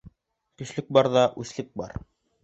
Көслөк барҙа үслек бар.